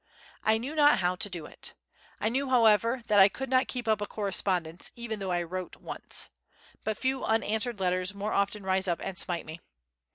I knew not how to do it. I knew, however, that I could not keep up a correspondence, even though I wrote once. But few unanswered letters more often rise up and smite me.